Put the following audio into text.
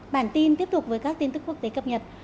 bản tin tiếp tục với các tin tức quốc tế cập nhật